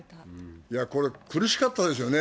これ、苦しかったですよね。